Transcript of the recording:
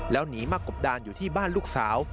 แล้วหนีมากบดานอยู่ที่บ้านลูกสาว